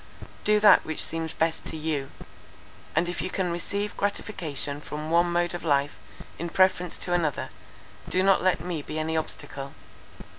Do that which seems best to you: and if you can receive gratification from one mode of life in preference to another, do not let me be any obstacle.